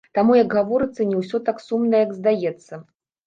Таму, як гаворыцца, не ўсё так сумна, як здаецца.